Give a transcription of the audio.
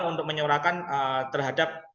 untuk menyorakan terhadap